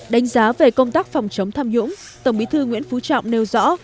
đánh giá về công tác phòng chống tham nhũng tổng bí thư nguyễn phú trọng nêu rõ